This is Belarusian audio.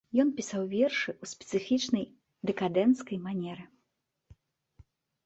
Ён пісаў вершы ў спецыфічнай дэкадэнцкай манеры.